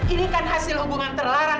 ini kan hasil hubungan terlarang